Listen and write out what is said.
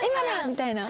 みたいな？